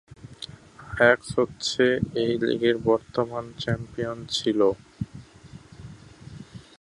Ajax হচ্ছে এই লীগের বর্তমান চ্যাম্পিয়ন ছিল।